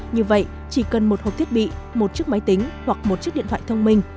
như vậy chỉ cần một hộp thiết bị một chiếc máy tính hoặc một chiếc điện thoại thông minh